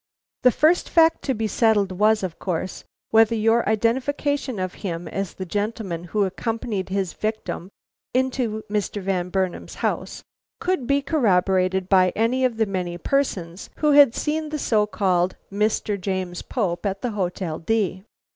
"The first fact to be settled was, of course, whether your identification of him as the gentleman who accompanied his victim into Mr. Van Burnam's house could be corroborated by any of the many persons who had seen the so called Mr. James Pope at the Hotel D